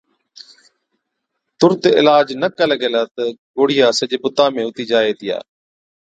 تُرت علاج نہ ڪلا گيلا تہ جي گوڙهِيا سجي بُتا هُتِي جائي هِتِيا